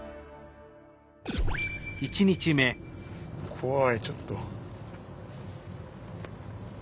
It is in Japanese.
怖いちょっと。